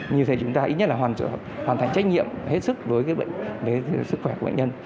như thế chúng ta ít nhất là hoàn thành trách nhiệm hết sức với sức khỏe của bệnh nhân